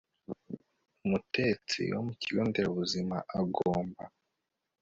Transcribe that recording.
Umutetsi wo mu kigo nderabuzima agomba